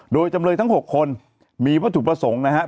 โดยทั้ง๖คนมีผลถุประสงค์นะครับ